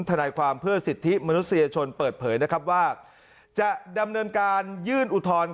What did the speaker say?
ทนายความเพื่อสิทธิมนุษยชนเปิดเผยนะครับว่าจะดำเนินการยื่นอุทธรณ์